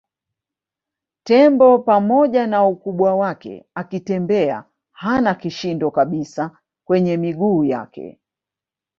Tembo pamoja na ukubwa wake akitembea hana kishindo kabisa kwenye miguu yake